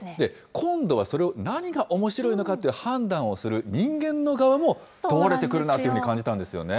今度はそれを何がおもしろいのかという判断をする人間の側も問われてくるなというふうに感じたんですね。